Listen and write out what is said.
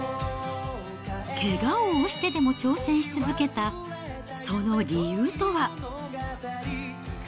けがを押してでも挑戦し続けたその理由とは。